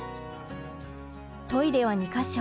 トイレは２か所。